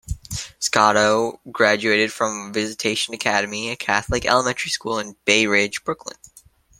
Scotto graduated from Visitation Academy, a Catholic elementary school in Bay Ridge, Brooklyn.